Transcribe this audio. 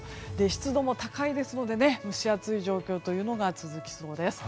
湿度も高いですので蒸し暑い状況が続きそうです。